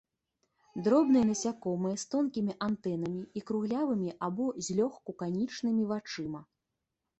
Дробныя насякомыя з тонкімі антэнамі і круглявымі або злёгку канічнымі вачыма.